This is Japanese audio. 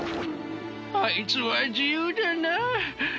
あいつは自由だなあ。